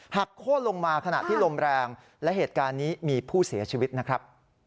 โค้นลงมาขณะที่ลมแรงและเหตุการณ์นี้มีผู้เสียชีวิตนะครับ